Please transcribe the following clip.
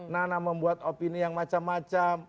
nana membuat opini yang macam macam